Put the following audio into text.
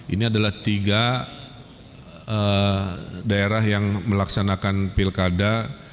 ini adalah tiga daerah yang melaksanakan pilkada